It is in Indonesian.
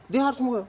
dia harus mau